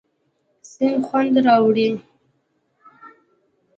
سیند خوند راوړي.